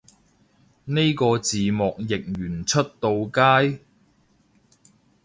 呢個字幕譯完出到街？